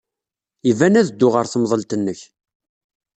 Iban ad dduɣ ɣer temḍelt-nnek.